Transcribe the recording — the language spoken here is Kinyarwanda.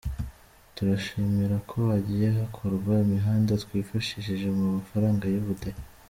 Turishimira ko hagiye hakorwa imihanda twifashishije mu mafaranga y’ubudehe.